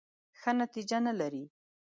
ښه نتیجه نه لري .